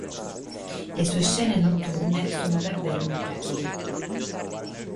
Le sue scene notturne sono davvero notevoli.